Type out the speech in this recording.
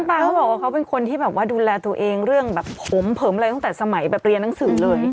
ป๊าเขาบอกว่าเขาเป็นคนที่แบบว่าดูแลตัวเองเรื่องแบบผมเผิมอะไรตั้งแต่สมัยแบบเรียนหนังสือเลย